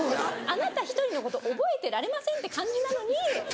あなた１人のこと覚えてられませんって感じなのに。